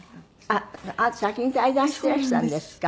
あなた先に退団していらしたんですか。